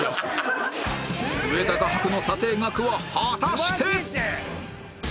上田画伯の査定額は果たして